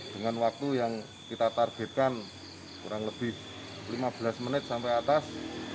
dengan waktu yang kita targetkan kurang lebih lima belas menit sampai atas